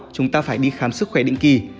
chúng ta phải đi khám sức khỏe định kỳ